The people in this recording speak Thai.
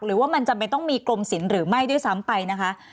หรือว่ามันจำเป็นต้องมีกรมศิลป์หรือไม่ด้วยซ้ำไปนะคะ